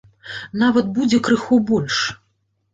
Нават будзе крыху больш.